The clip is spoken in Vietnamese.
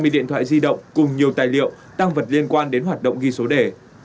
hai mươi điện thoại di động cùng nhiều tài liệu tăng vật liên quan đến hoạt động ghi số đề